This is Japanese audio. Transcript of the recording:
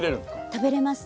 食べれます。